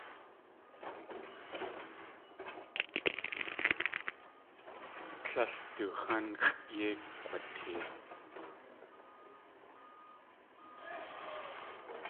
Tlél du x̲ánxʼ yéi kg̲watee.